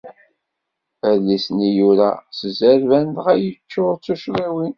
Adlis-nni yura s zzerban, dɣa yeččur d tuccḍiwin.